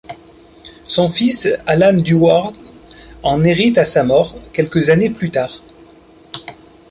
Son fils Alan Durward en hérite à sa mort, quelques années plus tard.